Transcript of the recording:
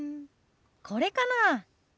これかな。